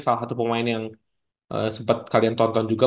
salah satu pemain yang sempat kalian tonton juga